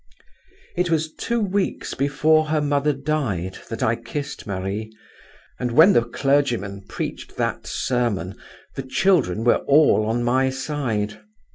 It was two weeks before her mother died that I had kissed Marie; and when the clergyman preached that sermon the children were all on my side.